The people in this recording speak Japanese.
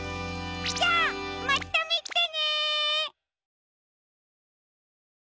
じゃあまたみてね！